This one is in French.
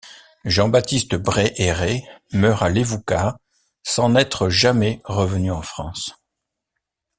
Jean-Baptiste Bréhéret meurt à Levuka sans n'être jamais revenu en France.